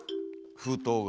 封筒が。